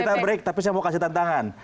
kita break tapi saya mau kasih tantangan